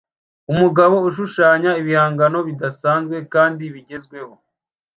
Umugabo ushushanya ibihangano bidasanzwe kandi bigezweho